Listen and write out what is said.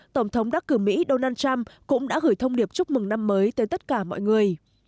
tổng thống đắc cử mỹ donald trump cũng đã gửi thông điệp chúc mừng năm mới tới tất cả mọi người